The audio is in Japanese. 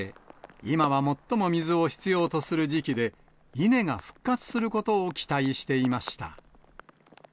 今は最も水を必要とする時期で、稲が復活することを期待していました。